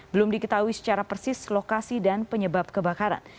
belum diketahui secara persis lokasi dan penyebab kebakaran